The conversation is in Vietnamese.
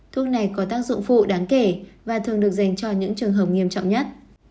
thuốc này có tác dụng phụ đáng kể và thường được dành cho những trường hợp nghiêm trọng nhất